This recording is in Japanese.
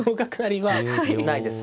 はい。